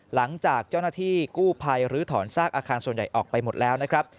หลังจากเจ้าหน้าที่กู้ภัยรื้อถอนซากอาคารส่วนใหญ่ออกไปหมดแล้วนะครับ